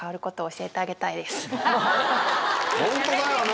ホントだよね。